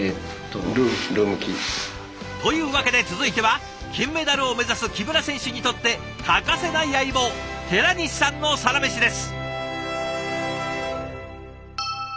というわけで続いては金メダルを目指す木村選手にとって欠かせない相棒寺西さんのサラメシです。